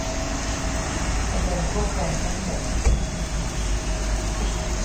แสดงข้อความทั้งหมด